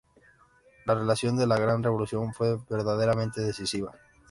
La lección de la gran revolución fue verdaderamente decisiva.